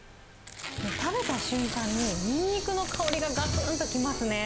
食べた瞬間に、ニンニクの香りががつんと来ますね。